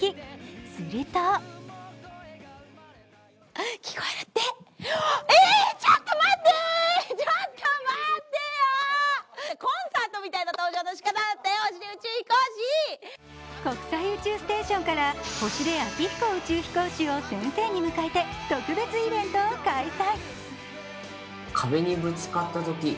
すると国際宇宙ステーションから星出宇宙飛行士を先生に迎えて特別イベントを開催。